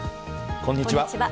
こんにちは。